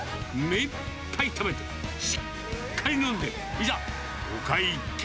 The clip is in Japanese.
目いっぱい食べて、しっかり飲んで、いざ、お会計。